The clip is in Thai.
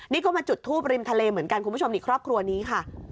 นี่ก็มาจุดทูปริมทะเลเหมือนกันคุณผู้ชมนี่ครอบครัวนี้ค่ะ